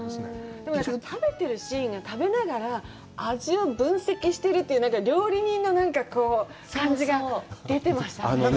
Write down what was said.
食べてるシーンが食べながら味を分析してるっていう、料理人の感じが出ていましたね。